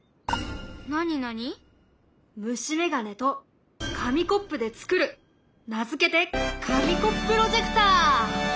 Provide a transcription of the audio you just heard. なになに？虫メガネと紙コップで作る名付けて紙コップロジェクター！